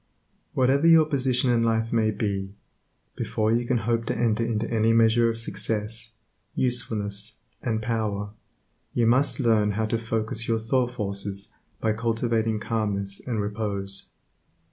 Whatever your position in life may be, before you can hope to enter into any measure of success, usefulness, and power, you must learn how to focus your thought forces by cultivating calmness and repose.